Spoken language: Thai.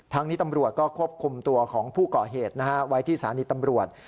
นี้ตำรวจก็ควบคุมตัวของผู้ก่อเหตุไว้ที่สถานีตำรวจ